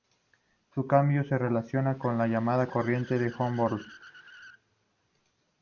Su cambio se relaciona con la llamada corriente de Humboldt.